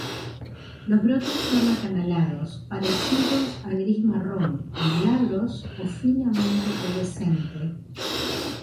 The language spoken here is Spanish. Los brotes son acanalados, parecidos a gris-marrón, glabros o finamente pubescente.